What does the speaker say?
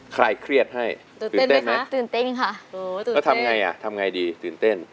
ใครเครียดให้ตื่นเต้นไหมคะตื่นเต้นค่ะตื่นแล้วทำไงอ่ะทำไงดีตื่นเต้น